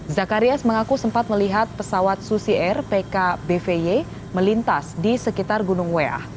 zakarias mengaku sempat melihat pesawat susi air pkbvy melintas di sekitar gunung weah